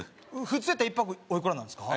普通やったら１泊おいくらなんですか？